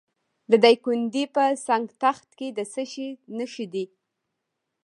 د دایکنډي په سنګ تخت کې د څه شي نښې دي؟